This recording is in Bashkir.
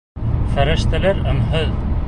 Фәрештәләр өнһөҙ...